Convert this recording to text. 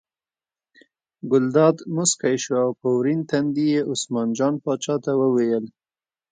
ګلداد موسکی شو او په ورین تندي یې عثمان جان پاچا ته وویل.